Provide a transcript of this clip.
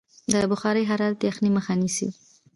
د بخارۍ حرارت د یخنۍ مخه نیسي.